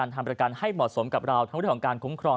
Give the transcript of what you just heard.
ทำประกันให้เหมาะสมกับเราทั้งเรื่องของการคุ้มครอง